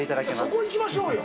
そこ行きましょうよ。